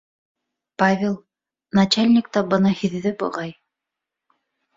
Павел... начальник та быны һиҙҙе, буғай.